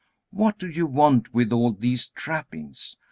What do you want with all these trappings?